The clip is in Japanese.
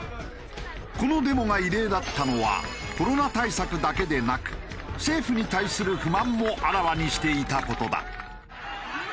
このデモが異例だったのはコロナ対策だけでなく政府に対する不満もあらわにしていた事だ。